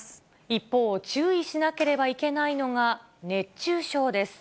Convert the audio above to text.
一方、注意しなければいけないのが熱中症です。